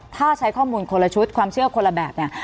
ถ้าใช้ข้อมูลคนละชุดความเชื่อคนละแบบเนี่ย